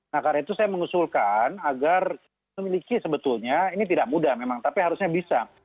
nah karena itu saya mengusulkan agar memiliki sebetulnya ini tidak mudah memang tapi harusnya bisa